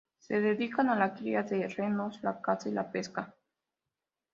Se dedican a la cría de renos, la caza y la pesca.